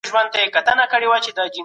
ډنمارک له نورو هېوادونو سره پرتله سو.